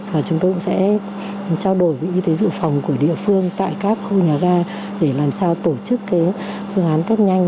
và chúng tôi cũng sẽ trao đổi với y tế dự phòng của địa phương tại các khu nhà ga để làm sao tổ chức phương án test nhanh